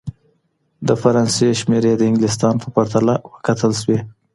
د فرانسې شمېرې د انګلستان په پرتله وکتل سوې.